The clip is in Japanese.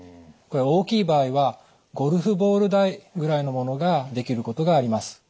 これ大きい場合はゴルフボール大ぐらいのものができることがあります。